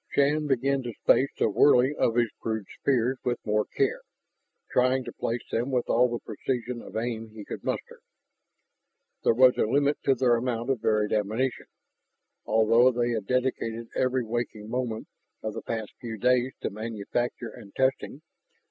Shann began to space the hurling of his crude spears with more care, trying to place them with all the precision of aim he could muster. There was a limit to their amount of varied ammunition, although they had dedicated every waking moment of the past few days to manufacture and testing.